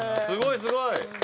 すごいすごい！